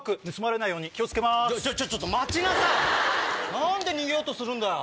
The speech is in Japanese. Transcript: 何で逃げようとするんだよ？